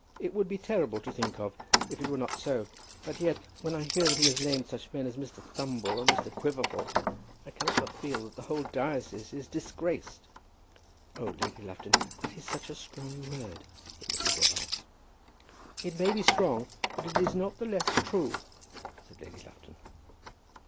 It would be terrible to think of, if it were not so. But yet, when I hear that he has named such men as Mr. Thumble and Mr. Quiverful, I cannot but feel that the whole diocese is disgraced." "Oh, Lady Lufton, that is such a strong word," said Mrs. Robarts. "It may be strong, but it is not the less true," said Lady Lufton.